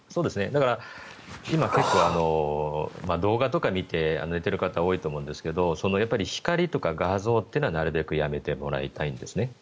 だから、今、動画とか見て寝ている方多いと思うんですけど光とか画像というのはなるべくやめてもらいたいんですね。